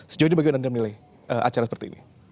sejauh ini bagaimana anda menilai acara seperti ini